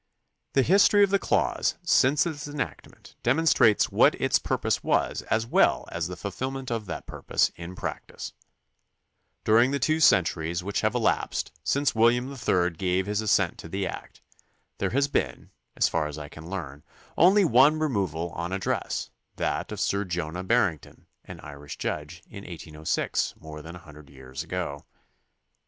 The history of the clause since its enactment demonstrates what its pur pose was as weU as the fulfilment of that purpose in practice. During the two centuries which have elapsed since William III gave his assent to the act, there has THE CONSTITUTION AND ITS MAKERS 73 been, so far as I can learn, only one removal on ad dress, that of Sir Jonah Barrington, an Irish judge, in 1806, more than a hmidred years ago.